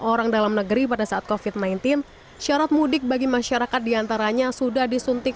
orang dalam negeri pada saat covid sembilan belas syarat mudik bagi masyarakat diantaranya sudah disuntik